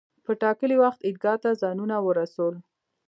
پر ټاکلي وخت عیدګاه ته ځانونه ورسول.